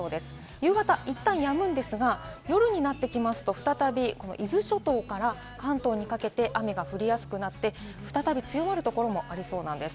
夕方いったんやむんですが、夜になりますと、再び伊豆諸島から関東にかけて雨が降りやすくなって再び強まるところもありそうです。